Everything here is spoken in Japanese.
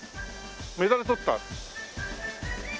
メダル取った？